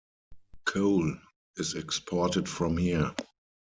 Coal is exported from here.